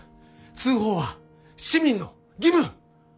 通報は市民の義務。